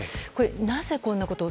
なぜこんなことを。